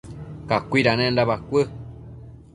cacuidanenda bacuë